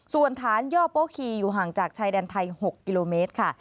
ส่วนฐานย่อโปคีอยู่ห่างจากชายแดนไทย๖กิโลเมตรค่ะ